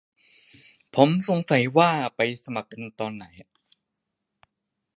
สงสัยว่าไปสมัครตอนไหน